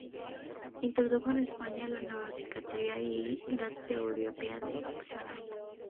Introdujo en España la neuropsiquiatría y la terapia ocupacional.